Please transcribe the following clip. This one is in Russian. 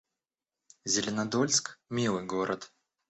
Зеленодольск — милый город